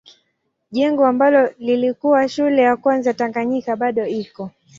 Jengo ambalo lilikuwa shule ya kwanza Tanganyika bado iko.